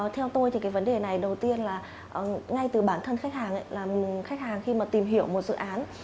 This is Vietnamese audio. theo tôi thì cái vấn đề này đầu tiên là ngay từ bản thân khách hàng là khách hàng khi mà tìm hiểu một dự án